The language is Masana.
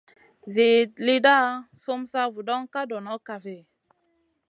Zin lida sum sa vuŋa ka dono kafi ?